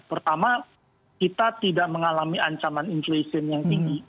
pertama kita tidak mengalami ancaman inflation yang tinggi